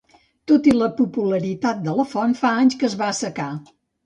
Tot i la popularitat de la font, fa anys que es va assecar.